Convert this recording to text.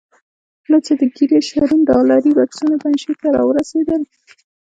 کله چې د ګیري شرون ډالري بکسونه پنجشیر ته را ورسېدل.